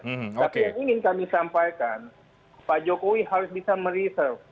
tapi yang ingin kami sampaikan pak jokowi harus bisa mereserve